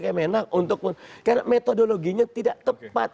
karena metodologinya tidak tepat